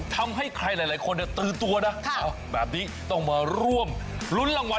ทำให้ใครหลายคนตือตัวนะ